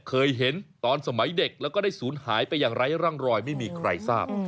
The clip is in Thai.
เคยเห็นตอนสมัยเด็กแล้วก็ได้ศูนย์หายไปอย่างไร้ร่องรอยไม่มีใครทราบ